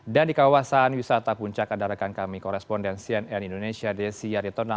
dan di kawasan wisata puncak ada rekan kami koresponden cnn indonesia desi yaditon